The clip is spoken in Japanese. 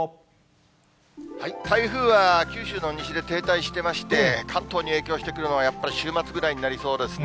台風は九州の西で停滞してまして、関東に影響してくるのはやっぱり週末ぐらいになりそうですね。